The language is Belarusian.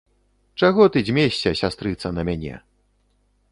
Чаго ты дзьмешся, сястрыца, на мяне!